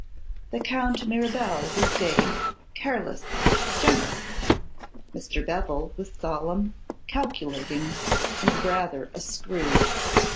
The Count Mirabel was gay, careless, generous; Mr. Bevil was solemn, calculating, and rather a screw.